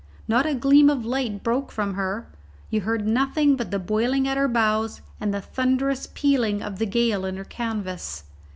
Not a gleam of light broke from her; you heard nothing but the boiling at her bows and the thunderous pealing of the gale in her canvas.